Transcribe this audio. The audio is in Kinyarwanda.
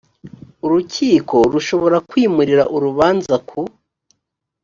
urukiko rushobora kwimurira urubanza ku